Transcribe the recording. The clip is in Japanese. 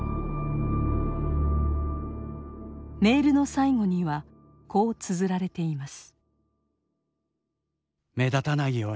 メールの最後にはこうつづられています。